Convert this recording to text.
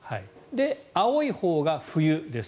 青いほうが冬です。